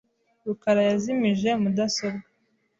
rukara yazimije mudasobwa .